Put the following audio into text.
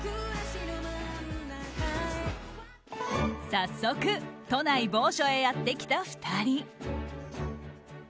早速、都内某所へやってきた２人。